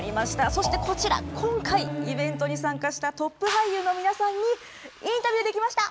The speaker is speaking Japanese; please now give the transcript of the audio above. そして今回、イベントに参加したトップ俳優の皆さんにインタビューで来ました。